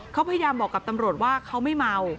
เขาพยายามบอกกับตำรวจว่าเขาไม่เมา